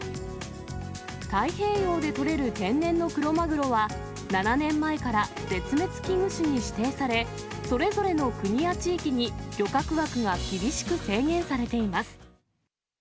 太平洋で取れる天然のクロマグロは、７年前から絶滅危惧種に指定され、それぞれの国や地域に漁獲枠が厳しく制限されています。